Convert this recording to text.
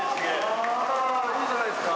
わいいじゃないですか。